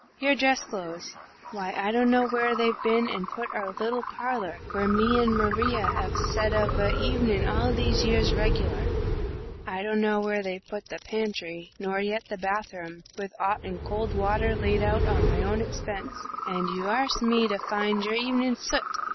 Your dress clothes? Why, I dunno where they've bin and put our little parler where me and Maria 'ave set of a hevenin' all these years regular. I dunno where they've put the pantry, nor yet the bath room, with 'ot and cold water laid on at my own expense. And you arsk me to find your hevenin' soot!